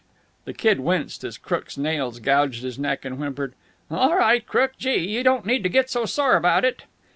The Kid winced as Crook's nails gouged his neck, and whimpered: "All right, Crook. Gee! you don't need to get so sore about it."